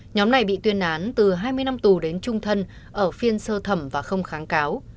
nhóm này bị tuyên án từ hai mươi năm tù đến trung thân ở phiên sơ thẩm và không kháng cáo